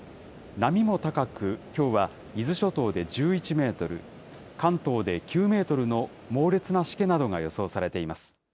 波も高く、きょうは伊豆諸島で１１メートル、関東で９メートルの猛烈なしけなどが予想されています。